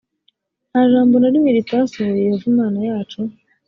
nta jambo na rimwe ritasohoye yehova imana yacu